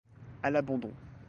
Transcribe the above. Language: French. À l’abandon.